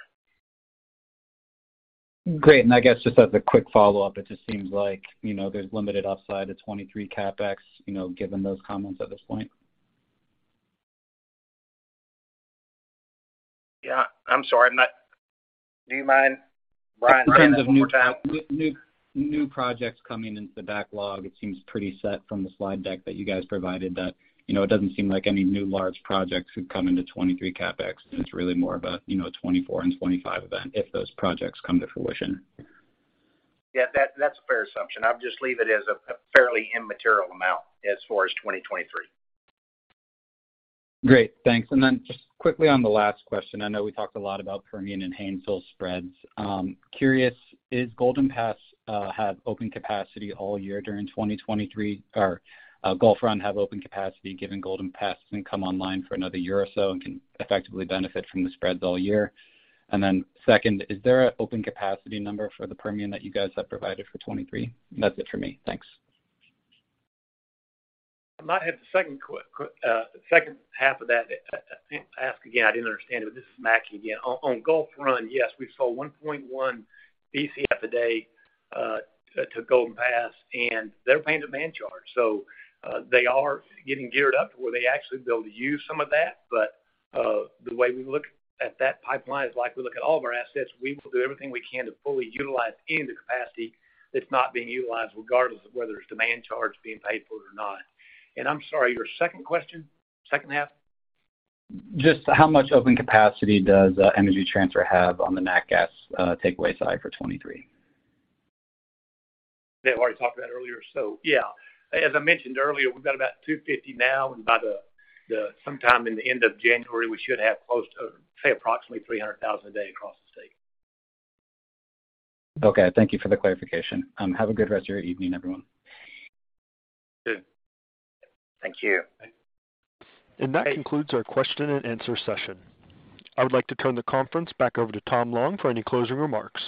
[SPEAKER 11] Great. I guess just as a quick follow-up, it just seems like, you know, there's limited upside to 23 CapEx, you know, given those comments at this point.
[SPEAKER 2] Yeah, I'm sorry. Do you mind, Brian, running that one more time?
[SPEAKER 11] New projects coming into the backlog, it seems pretty set from the slide deck that you guys provided that, you know, it doesn't seem like any new large projects could come into 2023 CapEx, and it's really more of a, you know, 2024 and 2025 event if those projects come to fruition.
[SPEAKER 2] Yeah, that's a fair assumption. I'd just leave it as a fairly immaterial amount as far as 2023.
[SPEAKER 11] Great. Thanks. Just quickly on the last question, I know we talked a lot about Permian and Haynesville spreads. Curious, is Golden Pass have open capacity all year during 2023 or Gulf Run have open capacity given Golden Pass didn't come online for another year or so and can effectively benefit from the spreads all year? Second, is there a open capacity number for the Permian that you guys have provided for 2023? That's it for me. Thanks.
[SPEAKER 4] Brian, the second half of that, ask again, I didn't understand it. This is Mackie again. On Gulf Run, yes, we sold 1.1 Bcf a day to Golden Pass, and they're paying demand charge. They are getting geared up to where they actually build to use some of that. The way we look at that pipeline is like we look at all of our assets. We will do everything we can to fully utilize any of the capacity that's not being utilized, regardless of whether it's demand charge being paid for it or not. I'm sorry, your second question, second half?
[SPEAKER 11] Just how much open capacity does Energy Transfer have on the nat gas takeaway side for 2023?
[SPEAKER 4] That I already talked about earlier, so yeah. As I mentioned earlier, we've got about 250 now, and sometime in the end of January, we should have close to, say, approximately 300,000 a day across the state.
[SPEAKER 11] Okay, thank you for the clarification. Have a good rest of your evening, everyone.
[SPEAKER 2] You too. Thank you.
[SPEAKER 1] That concludes our question and answer session. I would like to turn the conference back over to Tom Long for any closing remarks.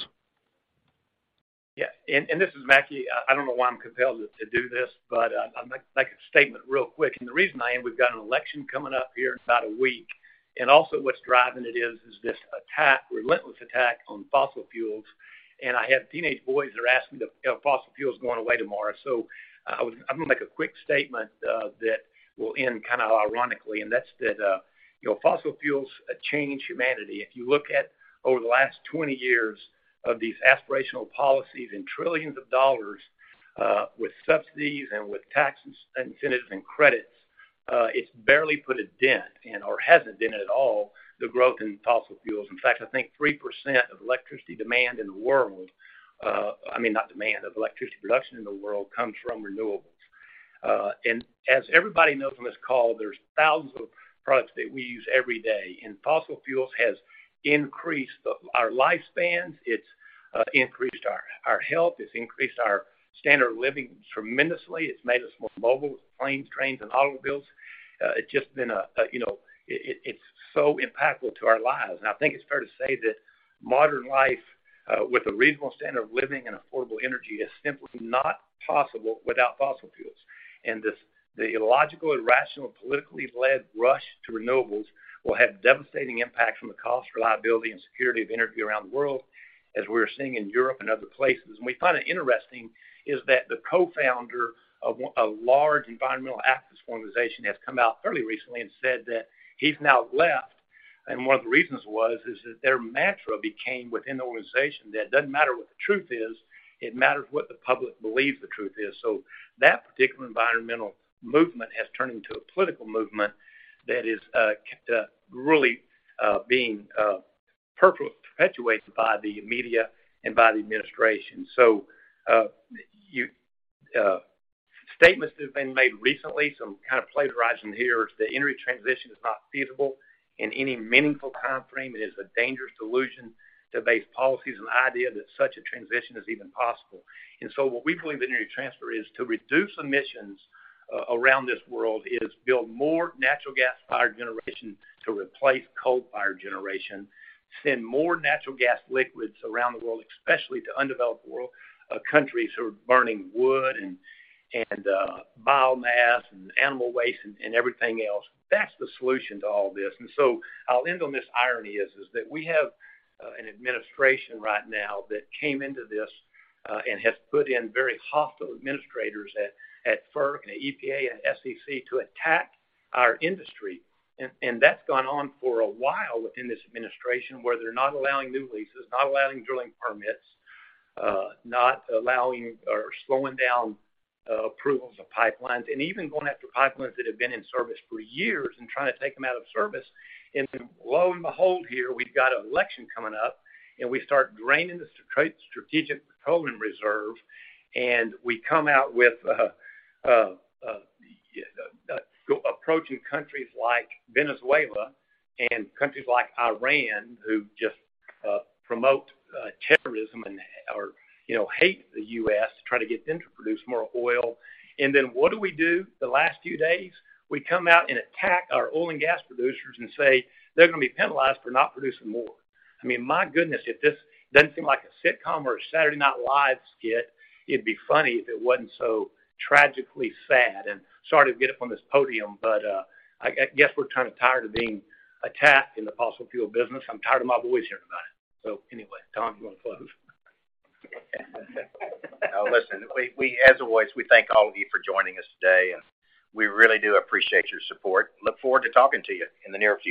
[SPEAKER 4] Yeah. This is Mackie. I don't know why I'm compelled to do this, but I'd like to make a statement real quick. The reason I am, we've got an election coming up here in about a week, and also what's driving it is this attack, relentless attack on fossil fuels. I have teenage boys that are asking if fossil fuel is going away tomorrow. I'm gonna make a quick statement that will end kind of ironically, and that's that you know, fossil fuels change humanity. If you look at over the last 20 years of these aspirational policies and trillions of dollars with subsidies and with taxes, incentives, and credits, it's barely put a dent in or hasn't dented at all the growth in fossil fuels. In fact, I think 3% of electricity demand in the world, I mean, of electricity production in the world comes from renewables. As everybody knows from this call, there's thousands of products that we use every day, and fossil fuels has increased our lifespans, it's increased our health, it's increased our standard of living tremendously, it's made us more mobile with planes, trains, and automobiles. It's just been a you know. It's so impactful to our lives. I think it's fair to say that modern life with a reasonable standard of living and affordable energy is simply not possible without fossil fuels. This illogical and irrational politically-led rush to renewables will have devastating impacts from the cost, reliability, and security of energy around the world as we're seeing in Europe and other places. We find it interesting is that the co-founder of a large environmental activist organization has come out fairly recently and said that he's now left. One of the reasons was that their mantra became within the organization that it doesn't matter what the truth is, it matters what the public believes the truth is. That particular environmental movement has turned into a political movement that is really being perpetuated by the media and by the administration. Statements that have been made recently, so I'm kind of plagiarizing here, is that energy transition is not feasible in any meaningful timeframe. It is a dangerous delusion to base policies on the idea that such a transition is even possible. What we believe in Energy Transfer is to reduce emissions around this world is build more natural gas-fired generation to replace coal-fired generation, send more natural gas liquids around the world, especially to undeveloped world countries who are burning wood and biomass and animal waste and everything else. That's the solution to all this. I'll end on this irony is that we have an administration right now that came into this and has put in very hostile administrators at FERC and the EPA and FCC to attack our industry. That's gone on for a while within this administration, where they're not allowing new leases, not allowing drilling permits, not allowing or slowing down approvals of pipelines, and even going after pipelines that have been in service for years and trying to take them out of service. Lo and behold here, we've got an election coming up, and we start draining the Strategic Petroleum Reserve, and we come out with approaching countries like Venezuela and countries like Iran, who just promote terrorism and or you know hate the U.S. to try to get them to produce more oil. What do we do the last few days? We come out and attack our oil and gas producers and say they're gonna be penalized for not producing more. I mean, my goodness, if this doesn't seem like a sitcom or a Saturday Night Live skit, it'd be funny if it wasn't so tragically sad. Sorry to get up on this podium, but I guess we're kind of tired of being attacked in the fossil fuel business. I'm tired of my boys hearing about it. Anyway, Tom, do you wanna close?
[SPEAKER 2] Now listen, we as always, we thank all of you for joining us today, and we really do appreciate your support. Look forward to talking to you in the near future.